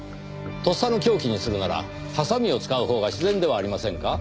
とっさの凶器にするならハサミを使うほうが自然ではありませんか？